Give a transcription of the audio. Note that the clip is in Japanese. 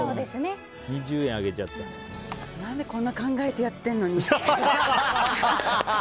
何でこんな考えてやってんのに。